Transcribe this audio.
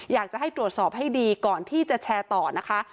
อยากจะให้ตรวจสอบให้ดีก่อนที่จะแชร์ต่อนะคะ